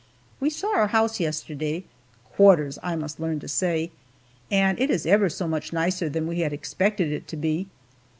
We saw our house yesterday quarters I must learn to say and it is ever so much nicer than we had expected it to be.